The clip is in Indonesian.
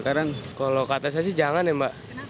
karena kalau kata saya sih jangan ya mbak